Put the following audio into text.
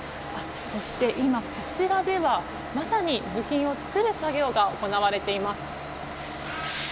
そして、こちらではまさに部品を作る作業が行われています。